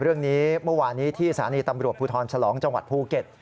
เมื่อวานนี้ที่สถานีตำรวจภูทรฉลองจังหวัดภูเก็ต